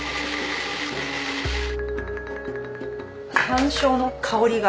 山椒の香りが。